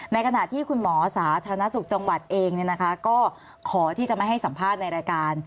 ในขณะที่คุณหมอสาธารณสุขจังหวัดเองก็ขอที่จะไม่ให้สัมภาษณ์ในรายการ